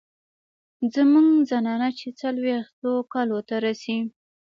زمونږ زنانه چې څلوېښتو کالو ته رسي